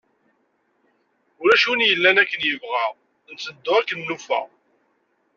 Ulac win yellan akken yebɣa, nteddu akken nufa.